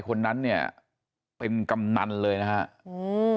คนนั้นเนี่ยเป็นกำนันเลยนะฮะอืม